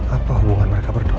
apa hubungan mereka berdua